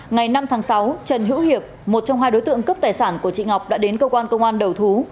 ngày năm tháng sáu trần hữu hiệp một trong hai đối tượng cướp tài sản của chị ngọc đã đến cơ quan công an đầu thú